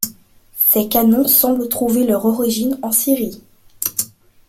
Ces canons semblent trouver leur origine en Syrie.